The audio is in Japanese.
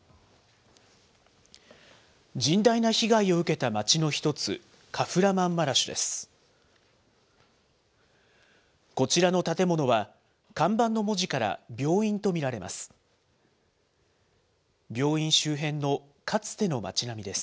甚大な被害を受けた街の１つ、カフラマンマラシュです。